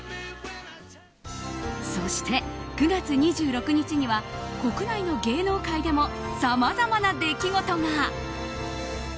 そして９月２６日には国内の芸能界でもさまざまな出来事が。